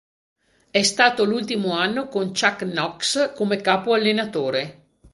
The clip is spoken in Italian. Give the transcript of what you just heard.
È stato l'ultimo anno con Chuck Knox come capo-allenatore.